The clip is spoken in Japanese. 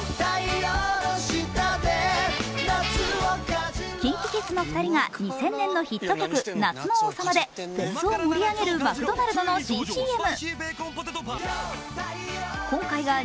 ニトリＫｉｎＫｉＫｉｄｓの２人が２０００年のヒット曲「夏の王様」でフェスを盛り上げるマクドナルドの新ＣＭ。